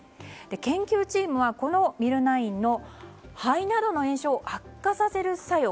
研究チームはこのミルナインの肺などの炎症を悪化させる作用